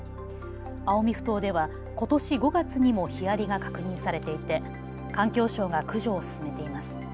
青海ふ頭では、ことし５月にもヒアリが確認されていて環境省が駆除を進めています。